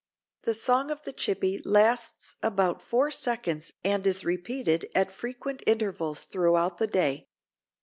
The song of the Chippy lasts about four seconds and is repeated at frequent intervals throughout the day.